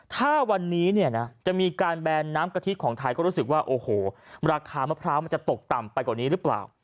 ถ้าวันนี้จะมีการแบรนด์น้ำกะทิศของไทยก็รู้สึกว่าราคามะพร้าวจะตกต่ำไปกว่านี้หรือเปล่า